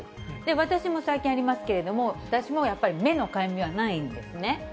私も最近ありますけれども、私もやっぱり目のかゆみはないんですね。